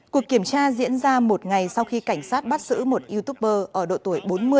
cuộc kiểm tra diễn ra một ngày sau khi cảnh sát bắt xử một youtuber ở độ tuổi bốn mươi